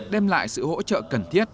đem lại sự hỗ trợ cần thiết